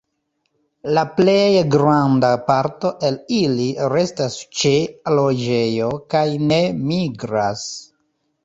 La plej granda parto el ili restas ĉe loĝejo kaj ne migras.